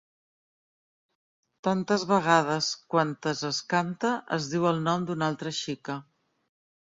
Tantes vegades quantes es canta es diu el nom d’una altra xica.